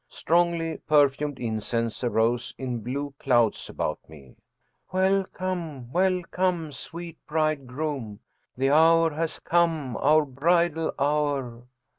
Strongly perfumed incense arose in blue clouds about me. " Welcome welcome, sweet bride groom! the hour has come, our bridal hour!"